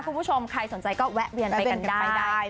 คุณผู้ชมใครสนใจก็แวะเวียนไปกันได้